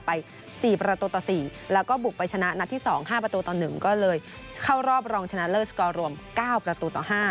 ไป๔ประตูต่อ๔แล้วก็บุกไปชนะนัดที่๒๕ประตูต่อ๑ก็เลยเข้ารอบรองชนะเลิศสกอร์รวม๙ประตูต่อ๕